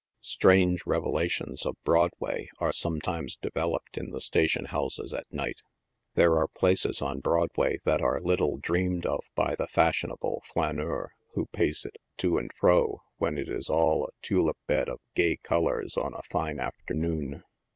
Strange revelations of Broadway are sometimes developed in the station houses at night. There are places on Broadway tbat are lit tle dreamed of by the fashionable Jl Incurs who pace it to and fro when it is all a tulip bed of gay colors on a fine afternoon.